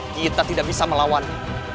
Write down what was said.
kita tidak bisa melawannya